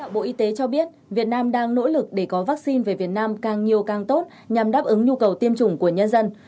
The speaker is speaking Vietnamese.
bộ y tế cho biết việt nam đang nỗ lực để có vaccine về việt nam càng nhiều càng tốt nhằm đáp ứng nhu cầu tiêm chủng của nhân dân